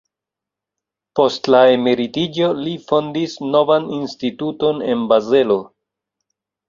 Post la emeritiĝo li fondis novan instituton en Bazelo.